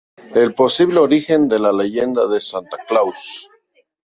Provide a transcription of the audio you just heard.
El posible origen de la leyenda de Santa Klaus.